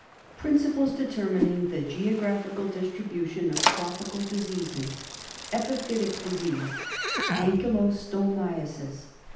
Principles Determining the Geographical Dis tribution OF Tropical Diseases — Epiphytic disease : Ankylostomiasis.